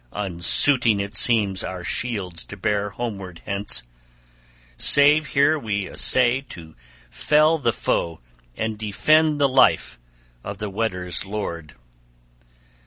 {34c} Unsuiting it seems our shields to bear homeward hence, save here we essay to fell the foe and defend the life of the Weders' lord.